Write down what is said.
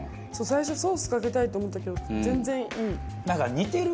最初ソースかけたいと思ったけど全然いい。